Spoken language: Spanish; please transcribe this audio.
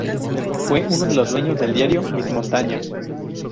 Fue uno de los dueños del diario "Mis Montañas".